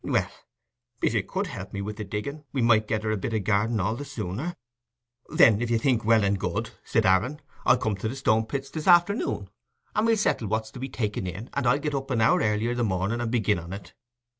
Well, if you could help me with the digging, we might get her a bit o' garden all the sooner." "Then, if you think well and good," said Aaron, "I'll come to the Stone pits this afternoon, and we'll settle what land's to be taken in, and I'll get up an hour earlier i' the morning, and begin on it."